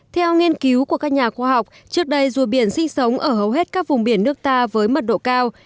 theo nghiên cứu của các nhà khoa học trước đây rùa biển sinh sống ở hầu hết các vùng biển nước ta với mật độ cao